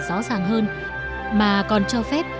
rõ ràng hơn mà còn cho phép